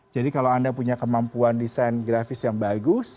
jadi kalau anda punya kemampuan desain grafis yang bagus